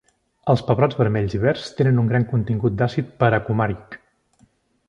Els pebrots vermells i verds tenen un gran contingut d'àcid paracumàric.